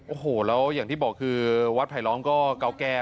โอ้โหแล้วอย่างที่บอกคือวัดไผลล้อมก็เก่าแก่